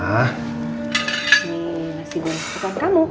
nih masih gue ngasih kepadamu